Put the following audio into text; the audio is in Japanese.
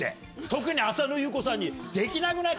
特に浅野ゆう子さんに、できなくない？